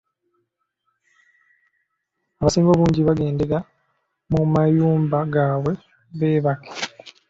Abasinga obungi baagendera mu mayumba gaabwe beebake.